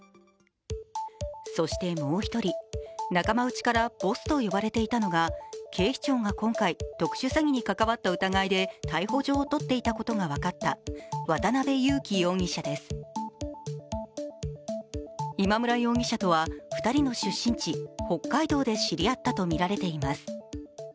そして、もう１人、仲間内からボスと呼ばれていたのが、警視庁が今回、特殊詐欺に関わった疑いで逮捕状を取っていたことが分かった、今村容疑者とは２人の出身地・北海道で知り合ったとみられています。